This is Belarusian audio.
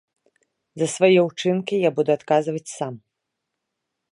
За свае ўчынкі я буду адказваць сам!